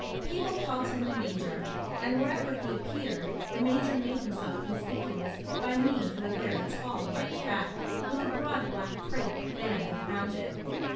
People called him the Major; and wherever he appeared, the Major made himself conspicuous by means of a very tall white hat, with a broad black crape band round it.